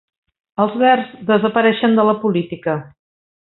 Els Verds desapareixen de la política